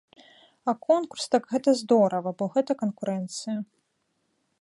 А конкурс, так, гэта здорава, бо гэта канкурэнцыя.